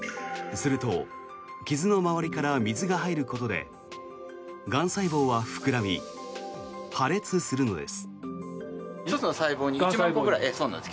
すると傷の周りから水が入ることでがん細胞は膨らみ破裂するのです。